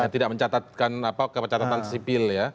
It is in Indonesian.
ya yang tidak mencatatkan apa kemacetan sipil ya